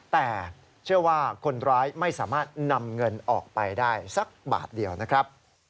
แต่เชื่อว่าคนร้ายไม่สามารถนำเงินออกไปได้สักบาทเดียวนะครับ